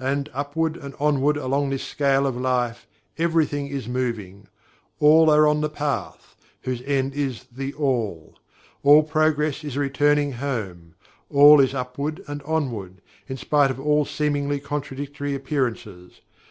And, upward and onward along this Scale of Life, everything is moving. All are on the Path, whose end is THE ALL. All progress is a Returning Home. All is Upward and Onward, in spite of all seemingly contradictory appearances.